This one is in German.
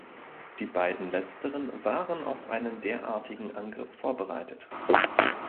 Die beiden letzteren waren auf einen derartigen Angriff vorbereitet.